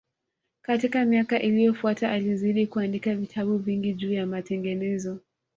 Katika miaka iliyofuata alizidi kuandika vitabu vingi juu ya matengenezo